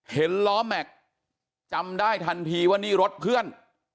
เห็นล้อแม็กซ์จำได้ทันทีว่านี่รถเพื่อน